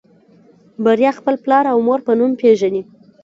بريا خپل پلار او مور په نوم پېژني.